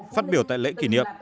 phát biểu tại lễ kỷ niệm